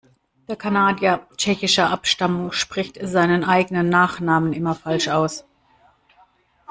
Der Kanadier tschechischer Abstammung spricht seinen eigenen Nachnamen immer falsch aus.